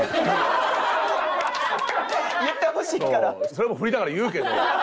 それも振りだから言うけど。